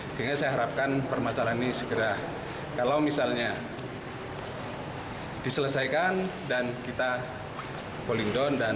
sehingga saya harapkan permasalahan ini segera